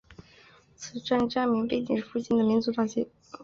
此站站名背景是附近的民族大街。